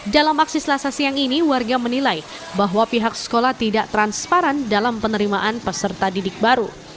dalam aksi selasa siang ini warga menilai bahwa pihak sekolah tidak transparan dalam penerimaan peserta didik baru